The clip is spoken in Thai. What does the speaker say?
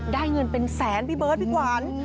ได้เงินเป็นแสนพี่เบิร์ดพี่ขวัญ